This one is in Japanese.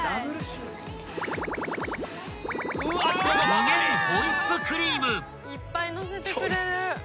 ［無限ホイップクリーム］